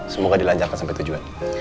semoga dilanjutkan sampai tujuan